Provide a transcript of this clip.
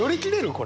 これ。